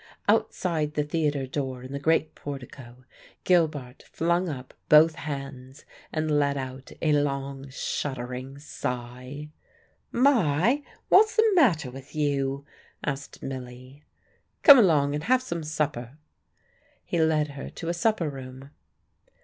Outside the theatre door in the great portico Gilbart flung up both hands and let out a long, shuddering sigh. "My! What's the matter with you?" asked Milly. "Come along and have some supper." He led her to a supper room.